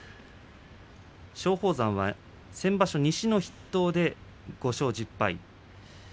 松鳳山は先場所、西の筆頭で５勝１０敗。